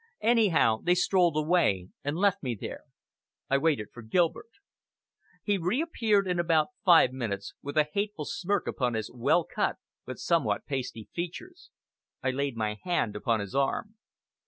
Anyhow, they strolled away, and left me there. I waited for Gilbert. He reappeared in about five minutes, with a hateful smirk upon his well cut but somewhat pasty features. I laid my hand upon his arm.